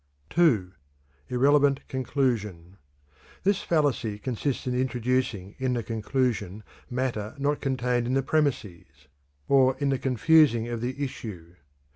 II. Irrelevant Conclusion. This fallacy consists in introducing in the conclusion matter not contained in the premises, or in the confusing of the issue.